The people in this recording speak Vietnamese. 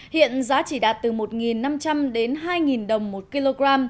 hiện giá chỉ đạt từ một năm trăm linh đến hai đồng một kg